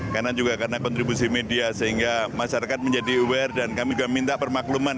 karena juga karena kontribusi media sehingga masyarakat menjadi aware dan kami juga minta permakluman